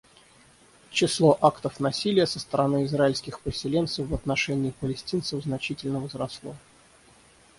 Число актов насилия со стороны израильских поселенцев в отношении палестинцев значительно возросло.